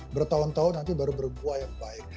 bertahun tahun nanti baru berbuah yang baik